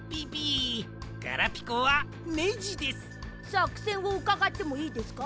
さくせんをうかがってもいいですか？